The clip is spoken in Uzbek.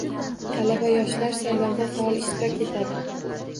Talaba-yoshlar saylovda faol ishtirok etadi